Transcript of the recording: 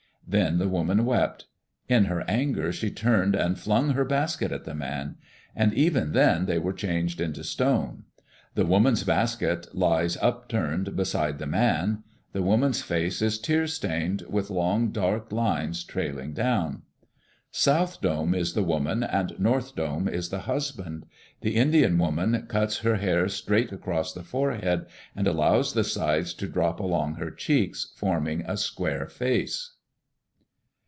Then the woman wept. In her anger she turned and flung her basket at the man. And even then they were changed into stone. The woman's basket lies upturned beside the man. The woman's face is tear stained, with long dark lines trailing down. South Dome is the woman and North Dome is the husband. The Indian woman cuts her hair straight across the forehead, and allows the sides to drop along her cheeks, forming a square face.